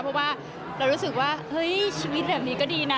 เพราะว่าเรารู้สึกว่าเฮ้ยชีวิตแบบนี้ก็ดีนะ